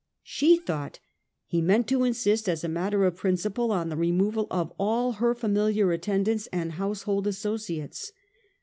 She thought he meant to insist, as a matter of principle, upon the removal of all her familiar attendants and household associates.